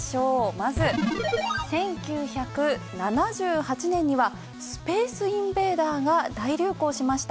まず、１９７８年には「スペースインベーダー」が大流行しました。